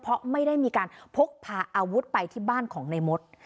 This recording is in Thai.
เพราะไม่ได้มีการพกพาอาวุธไปที่บ้านของในมด